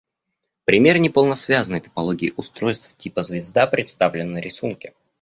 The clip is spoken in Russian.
Пример неполносвязной топологии устройств типа «звезда» представлен на рисунке.